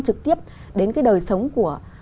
trực tiếp đến cái đời sống của